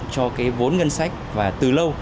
cho cái vốn ngân sách và từ lâu